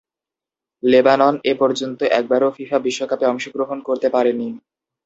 Lebanon এপর্যন্ত একবারও FIFA বিশ্বকাপে অংশগ্রহণ করতে পারেনি।